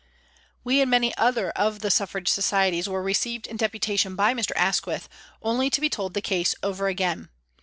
We and many other of the Suffrage Societies were received in deputation by Mr. Asquith, only to be told the case over again.